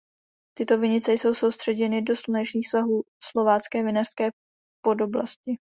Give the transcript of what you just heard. Tyto vinice jsou soustředěny do slunečních svahů Slovácké vinařské podoblasti.